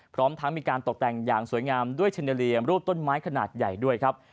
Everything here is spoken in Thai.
พร้อมทั้งมีการตกแต่งอย่างสวยงามด้วยเชเนอเรียมรูปต้นไม้ขนาดใหญ่ด้วยครับ